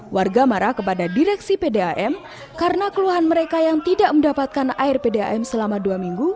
warga marah kepada direksi pdam karena keluhan mereka yang tidak mendapatkan air pdam selama dua minggu